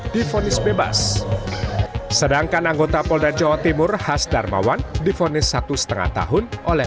difonis bebas sedangkan anggota polda jawa timur has darmawan difonis satu setengah tahun oleh